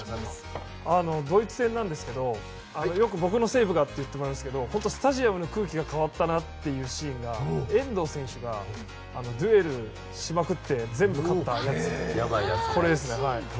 ドイツ戦なんですけどよく僕のセーブがって言ってもらうんですけどスタジアムの空気が変わったなというシーンが遠藤選手がデュエルしまくって全部勝ったやつですね。